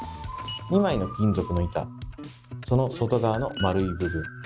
２枚の金属の板その外側の丸い部分。